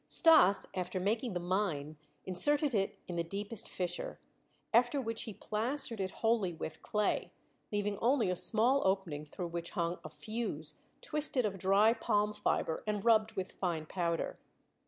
Stas, after making the mine, inserted it in the deepest fissure, after which he plastered it wholly with clay, leaving only a small opening through which hung a fuse twisted of dry palm fiber and rubbed with fine powder.